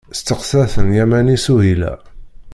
Testeqsa-ten Yamani Suhila.